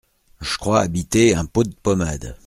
J’ crois habiter un pot d’ pommade.